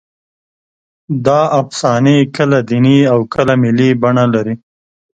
دا افسانې کله دیني او کله ملي بڼه لري.